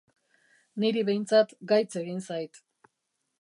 Niri behintzat gaitz egin zait.